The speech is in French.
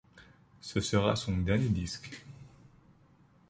Ce sera son dernier disque.